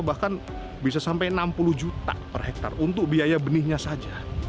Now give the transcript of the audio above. bahkan bisa sampai enam puluh juta per hektare untuk biaya benihnya saja